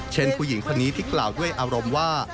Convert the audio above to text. ผู้หญิงคนนี้ที่กล่าวด้วยอารมณ์ว่า